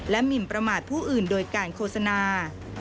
หมินประมาทผู้อื่นโดยการโฆษณา